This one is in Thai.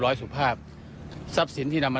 อยู่เสร็จสุภาพ